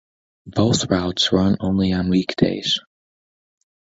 Both routes run only on weekdays.